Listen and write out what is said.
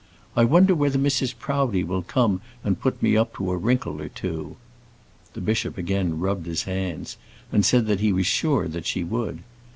I wonder whether Mrs. Proudie will come and put me up to a wrinkle or two." The bishop again rubbed his hands, and said that he was sure she would.